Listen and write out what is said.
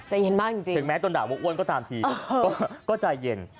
ใจเย็นมากจริงถึงแม้ต้นด่าว่าอ้วนก็ตามทีก็ใจเย็น